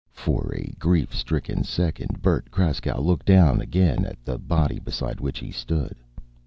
For a grief stricken second Bert Kraskow looked down again at the body beside which he stood.